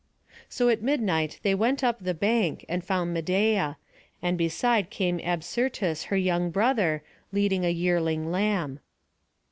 So at midnight they went up the bank, and found Medeia; and beside came Absyrtus her young brother, leading a yearling lamb.